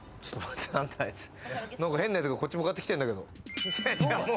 何か変なやつがこっち向かってきてるんだけれども。